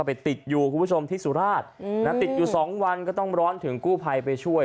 ไปติดอยู่คุณผู้ชมที่สุราชติดอยู่สองวันก็ต้องร้อนถึงกู้ภัยไปช่วย